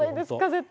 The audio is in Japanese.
絶対。